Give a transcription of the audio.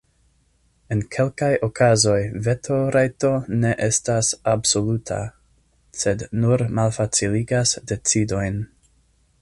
En kelkaj okazoj veto-rajto ne estas absoluta, sed nur malfaciligas decidojn.